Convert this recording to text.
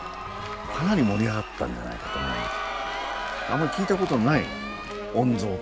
かなり盛り上がったんじゃないかと思うんです。